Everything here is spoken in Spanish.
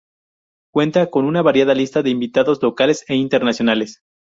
Cuenta con una variada lista de invitados locales e internacionales.